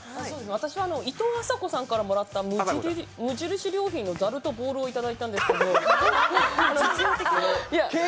私はいとうあさこさんから、無印良品のざるとボウルを頂いたんですけど。